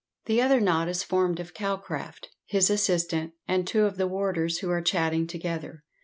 The other knot is formed of Calcraft, his assistant, and two of the warders who are chatting together.